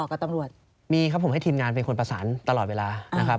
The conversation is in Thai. กับตำรวจมีครับผมให้ทีมงานเป็นคนประสานตลอดเวลานะครับ